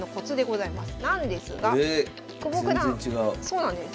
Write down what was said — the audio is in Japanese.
そうなんです。